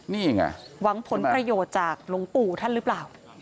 นี่ไงหวังผลประโยชน์จากหลวงปู่ท่านหรือเปล่า